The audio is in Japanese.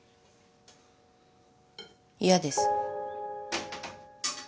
嫌です。